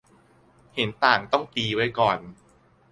- เห็นต่างต้องตีไว้ก่อน